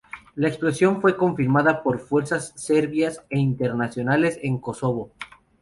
La explosión fue confirmada por fuerzas serbias e internacionales en Kosovo.